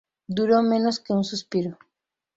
Duró menos que un suspiro